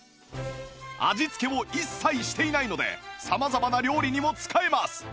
味付けを一切していないので様々な料理にも使えます